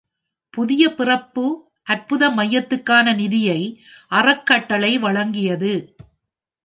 புதிய பிறப்பு அற்புத மையத்துக்கான நிதியை அறக்கட்டளை வழங்கியது.